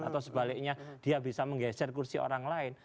atau sebaliknya dia bisa menggeser kursi orang lain